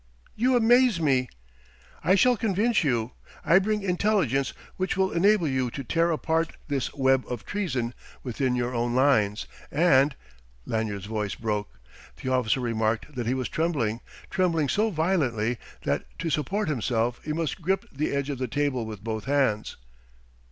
"You amaze me!" "I shall convince you; I bring intelligence which will enable you to tear apart this web of treason within your own lines and...." Lanyard's voice broke. The officer remarked that he was trembling trembling so violently that to support himself he must grip the edge of the table with both hands.